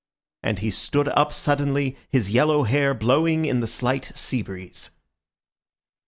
And he stood up suddenly, his yellow hair blowing in the slight sea breeze.